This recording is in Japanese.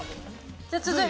じゃあ続いて。